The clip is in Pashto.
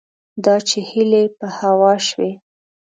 دا چې هیلې په هوا شوې